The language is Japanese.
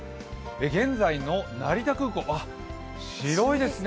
現在の成田空港、白いですね。